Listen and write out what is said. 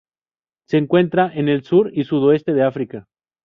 Se encuentran en el sur y sudoeste de África.